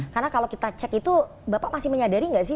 karena kalau kita cek itu bapak masih menyadari nggak sih